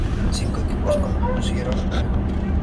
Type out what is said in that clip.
Cinco equipos compusieron el grupo.